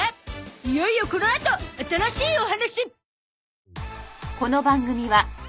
いよいよこのあと新しいお話！